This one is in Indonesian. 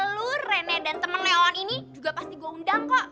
lu rene dan temen temen leon ini juga pasti gue undang kok